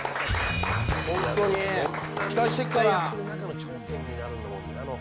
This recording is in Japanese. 本当に、期待してっから。